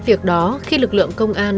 vì việc làm của các con trai mình